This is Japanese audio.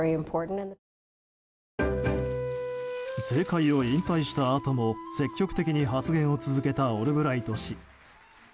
政界を引退したあとも積極的に発言を続けたオルブライト氏。